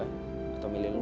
atau milih lu